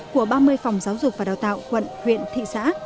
của ba mươi phòng giáo dục và đào tạo quận huyện thị xã